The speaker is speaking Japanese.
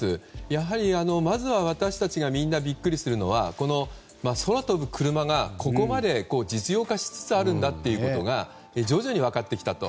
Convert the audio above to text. やはり、まずは私たちがみんなビックリするのは空飛ぶクルマがここまで実用化しつつあるんだということが徐々に分かってきたと。